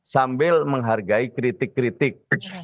sambil menghargai kritik kritik